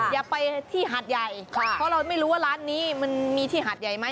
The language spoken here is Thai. อย่าไปที่หาดใหญ่เพราะเราไม่รู้ว่าร้านนี้มันมีที่หาดใหญ่ไหม